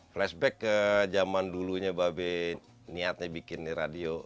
flashback ke zaman dulunya babi niatnya bikin nih radio